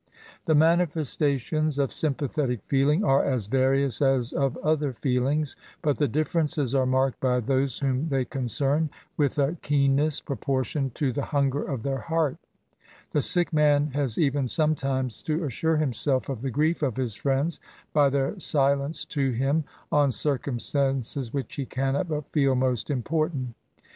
The manifestations of sympathetic feeling are as various as of other feelings; but the differences are marked by those whom they concern, with a keenness prop<»:tioned to the hunger of their heart The sick man has even sometimes to assure himself of the grief of his friends, by their silence to him on circumstances which he cannot but feel most important.